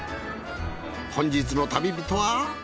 本日の旅人は。